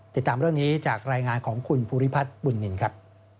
ติดตามเรื่องนี้จากรายงานของคุณภูริพัฒน์บุญนินครับ